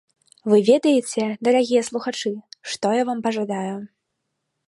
Вы ведаеце, дарагія слухачы, што я вам пажадаю?